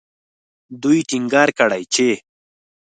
دوی ټینګار کړی چې